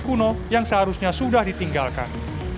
kepala kota yang seharusnya sudah ditinggalkan